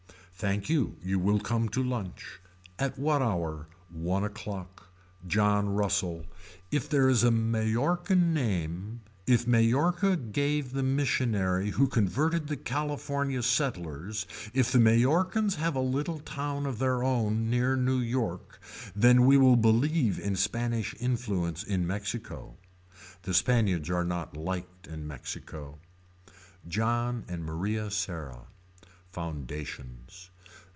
Thank you you will come to lunch. At what hour. One o'clock. John Russel. If there is a Mallorcan name if Mallorca gave the missionary who converted the California settlers if the Mallorcans have a little town of their own near New York then we will believe in Spanish influence in Mexico. The Spaniards are not liked in Mexico. John and Maria Serra. Foundations.